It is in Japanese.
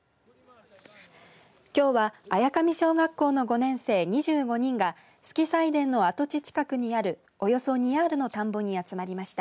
きょうは綾上小学校の５年生２５人が主基斎田の土地近くにあるおよそ２アールの田んぼに集まりました。